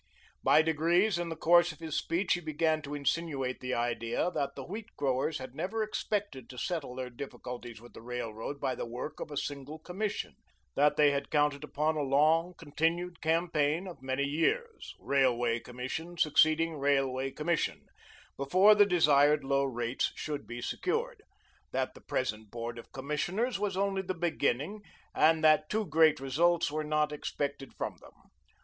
By degrees, in the course of his speech, he began to insinuate the idea that the wheat growers had never expected to settle their difficulties with the Railroad by the work of a single commission; that they had counted upon a long, continued campaign of many years, railway commission succeeding railway commission, before the desired low rates should be secured; that the present Board of Commissioners was only the beginning and that too great results were not expected from them.